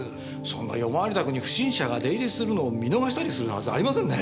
そんな夜回り宅に不審者が出入りするのを見逃したりするはずありませんね。